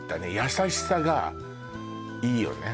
優しさがいいよね